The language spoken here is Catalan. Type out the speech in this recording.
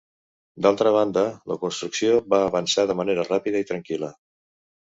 D'altra banda, la construcció va avançar de manera ràpida i tranquil·la.